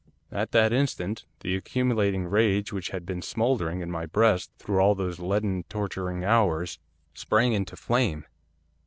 At that instant the accumulating rage which had been smouldering in my breast through all those leaden torturing hours, sprang into flame.